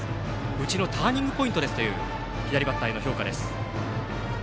うちのターニングポイントだという左バッターへの評価です。